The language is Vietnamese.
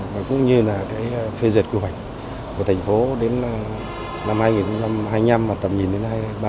và cũng như là phê duyệt quy hoạch của thành phố đến năm hai nghìn hai mươi năm và tầm nhìn đến hai nghìn ba mươi